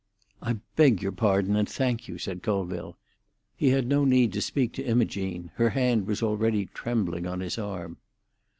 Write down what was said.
"I beg your pardon, and thank you," said Colville. He had no need to speak to Imogene—, her hand was already trembling on his arm.